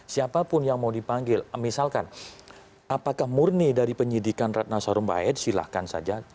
siapapun yang mau dipanggil misalkan apakah murni dari penyidikan ratna sarumpahit silahkan saja